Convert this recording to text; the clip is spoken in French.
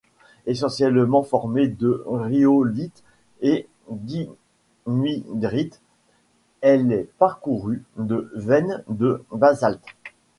Essentiellement formée de rhyolite et d'ignimbrite, elle est parcourue de veines de basalte.